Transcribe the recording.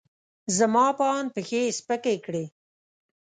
زما په اند، پښې یې سپکې کړې.